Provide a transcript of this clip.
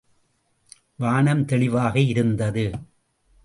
வானம் தெளிவாக இருந்தது.